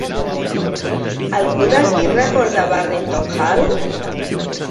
Algú d'aquí recorda Barrington Hall?